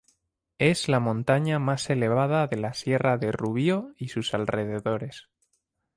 Es la montaña más elevada de la sierra de Rubió y sus alrededores.